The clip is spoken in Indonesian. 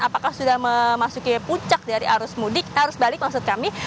apakah sudah memasuki puncak dari arus mudik arus balik maksud kami